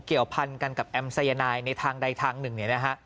เกี่ยวพันธุ์กันกับแอมไซยานายในทางใดทางหนึ่ง